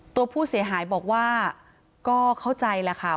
ตัวผู้เสียหายบอกว่าก็เข้าใจแหละค่ะ